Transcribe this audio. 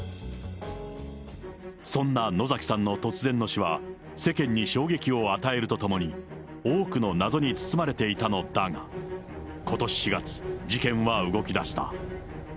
そんな野崎さんの突然の死は、世間に衝撃を与えるとともに、多くの謎に包まれていたのだが、ことし４月、事件は動きだした。